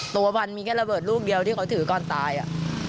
ตัววันมีแค่ระเบิดลูกเดียวที่เขาถือก่อนตายอ่ะ